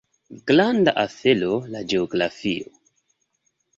Granda afero la geografio!